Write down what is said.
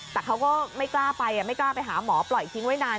แต่เขาก็ไม่กล้าไปไม่กล้าไปหาหมอปล่อยทิ้งไว้นาน